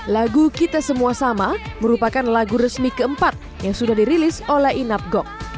lagu kita semua sama merupakan lagu resmi keempat yang sudah dirilis oleh inap gok